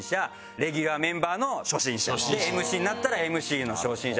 レギュラーメンバーの初心者。でＭＣになったらＭＣの初心者。